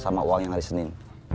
sama uang yang hari senin